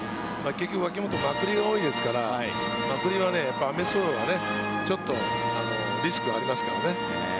脇本はまくりが多いですから、まくりが雨だとリスクがありますからね。